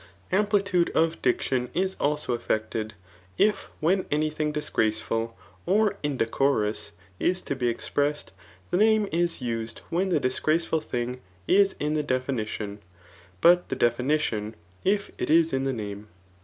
Amplitude of diction is also' effected, if when any •thing disgraceful or indecorous is to be expressed, th^ name is used when the disgraceful thing k in the defini tion, but the definition, if it is in the name.